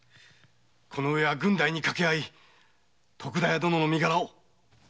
このうえは郡代に掛け合い徳田屋殿の身柄を。